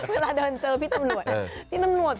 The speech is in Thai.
เวลาเดินเจอพี่ตำรวจ